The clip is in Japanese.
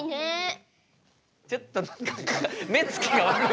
ちょっと何か目つきがわるいですよ。